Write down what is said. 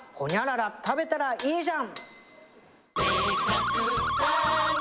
「○○食べたらいいじゃん！」